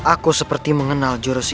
aku seperti mengenal jurus ini